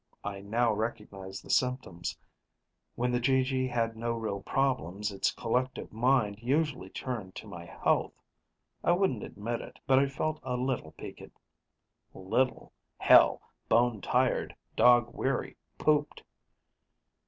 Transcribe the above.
I now recognized the symptoms; when the GG had no real problems, its collective mind usually turned to my health. I wouldn't admit it, but I felt a little peaked. Little? Hell, bone tired, dog weary pooped.